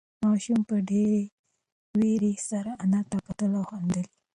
ماشوم په ډېرې وېرې سره انا ته کتل او خندل یې.